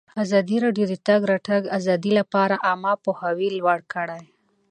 ازادي راډیو د د تګ راتګ ازادي لپاره عامه پوهاوي لوړ کړی.